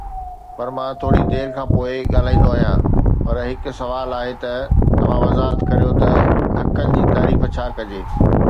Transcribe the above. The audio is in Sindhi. پر مان ٿوري دير کان پوءِ ڳالهائيندو آهيان، پر هڪ سوال آهي ته توهان وضاحت ڪريو ته حقن جي تعريف ڇا آهي؟